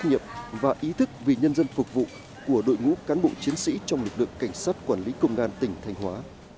trách nhiệm và ý thức vì nhân dân phục vụ của đội ngũ cán bộ chiến sĩ trong lực lượng cảnh sát quản lý công an tỉnh thanh hóa